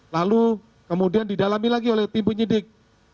lalu kemudian didalami lagi oleh tim penyidik